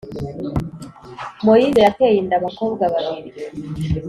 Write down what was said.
Moise yateye inda abakobwa babiri